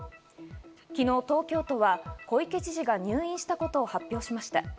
昨日、東京都は小池知事が入院したことを発表しました。